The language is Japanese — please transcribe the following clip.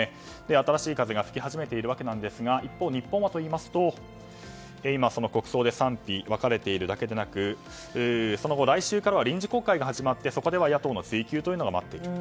新しい風が吹き始めているわけですが一方、日本はといいますと今、その国葬で賛否が分かれているだけでなくその後、来週からは臨時国会が始まってそこでは野党の追及が待っている。